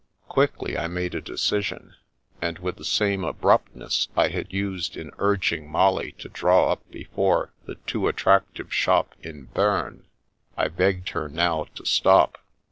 Quickly I made a decision; and with the same abruptness I had used in urging Molly to draw up before the too attractive shop in Bern, I begged her now to stop.